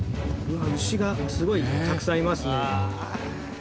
牛がすごいたくさんいますね。